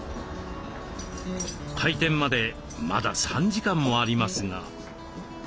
開店までまだ３時間もありますが。